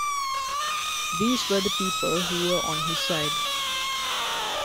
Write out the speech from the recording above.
These were the people who were on his side.